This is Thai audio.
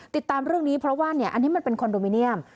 ติดตามเรื่องนี้เพราะว่าอันนี้มันเป็นคอนโดมิเนียม